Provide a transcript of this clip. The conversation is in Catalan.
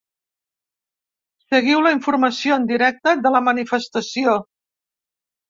Seguiu la informació en directe de la manifestació.